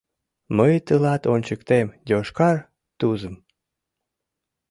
— Мый тылат ончыктем йошкар Тузым!